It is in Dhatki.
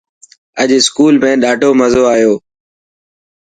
اڄ اسڪول ۾ ڏاڌو مزو آيو.